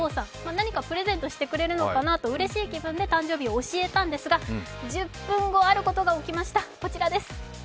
何かプレゼントしてくれるのかなと、うれしい気分で誕生日を教えたんですが、１０分後、あることが起きました、こちらです。